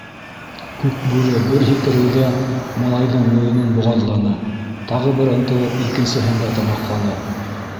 Күкбүре бер һикереүҙә малайҙың муйынын боғаҙланы, тағы бер ынтылып, икенсеһен дә тамаҡланы.